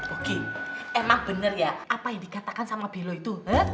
oke emang bener ya apa yang dikatakan sama belo itu